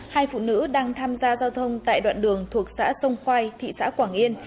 hai phụ nữ đang tham gia giao thông tại đoạn đường thuộc xã sông khoai thị xã quảng yên